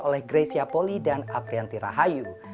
oleh grecia poli dan aprianti rahayu